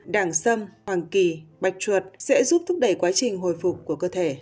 đàng sâm hoàng kỳ bạch chuột sẽ giúp thúc đẩy quá trình hồi phục của cơ thể